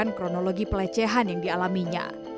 dengan kronologi pelecehan yang dialaminya